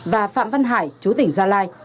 và phạm văn hải chú tỉnh gia lai